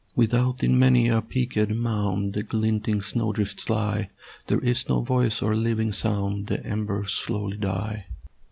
Without in many a peakèd mound The glinting snowdrifts lie; There is no voice or living sound; The embers slowly die.